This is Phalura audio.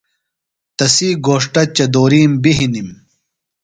تسی گھوݜٹہ چدورِیم بی ہِنِم۔